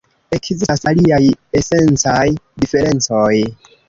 Ekzistas aliaj esencaj diferencoj.